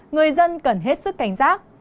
người dân cần hết sức cảnh giác